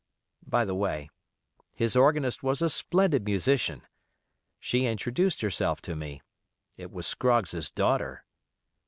By the way, his organist was a splendid musician. She introduced herself to me. It was Scroggs's daughter.